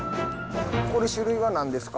これ種類は何ですか？